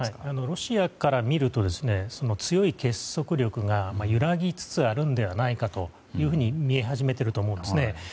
ロシアから見ると強い結束力が揺らぎつつあるのではないかと見え始めていると思うんですね。